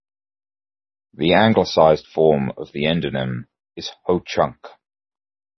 The anglicized form of the endonym is "Ho-Chunk".